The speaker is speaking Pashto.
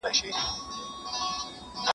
ډېر مي ياديږي دخپلي کلي د خپل غره ملګري.